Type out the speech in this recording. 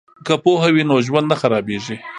که پوهه وي نو ژوند نه خرابیږي.